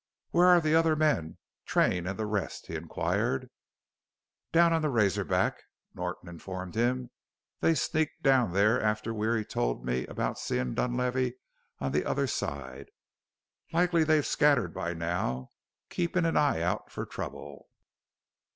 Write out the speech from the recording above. "Where are the other men Train and the rest?" he inquired. "Down on Razor Back," Norton informed him; "they sneaked down there after Weary told me about seein' Dunlavey on the other side. Likely they're scattered by now keepin' an eye out for trouble."